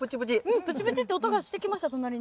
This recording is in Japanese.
うんプチプチって音がしてきました。